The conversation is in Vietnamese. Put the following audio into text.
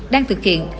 đang thực hiện